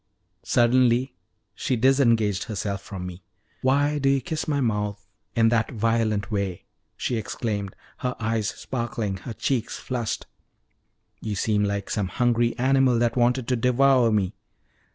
Suddenly she disengaged herself from me. "Why do you kiss my mouth in that violent way?" she exclaimed, her eyes sparkling, her cheeks flushed. "You seem like some hungry animal that wanted to devour me."